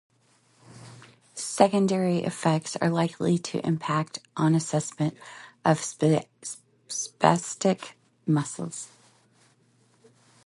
Secondary effects are likely to impact on assessment of spastic muscles.